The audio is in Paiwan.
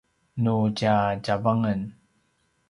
nu tja tjavangen